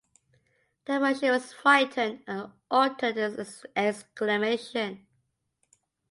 Thereupon she was frightened, and uttered an exclamation.